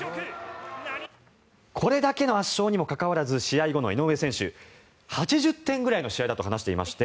これだけの圧勝にもかかわらず試合後の井上選手８０点ぐらいの試合だと話していまして